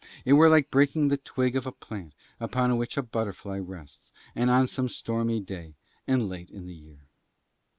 It were like breaking the twig of a plant upon which a butterfly rests, and on some stormy day and late in the year.